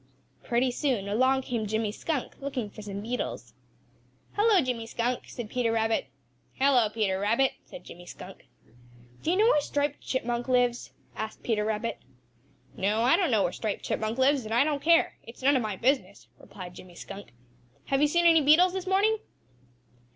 Pretty soon along came Jimmy Skunk, looking for some beetles. "Hello, Jimmy Skunk," said Peter Rabbit. "Hello, Peter Rabbit," said Jimmy Skunk. "Do you know where Striped Chipmunk lives?" asked Peter Rabbit. "No, I don't know where Striped Chipmunk lives, and I don't care; it's none of my business," replied Jimmy Skunk. "Have you seen any beetles this morning?"